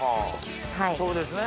そうですね。